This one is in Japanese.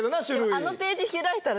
あのページ開いたら。